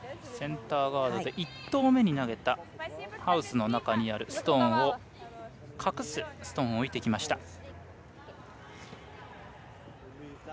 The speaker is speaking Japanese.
センターガードで１投目に投げたハウスの中にあるストーンを隠すストーンを置いてきました。